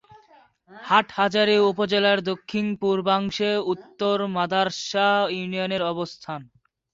হাটহাজারী উপজেলার দক্ষিণ-পূর্বাংশে উত্তর মাদার্শা ইউনিয়নের অবস্থান।